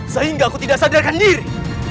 sehingga aku tidak sadarkan diri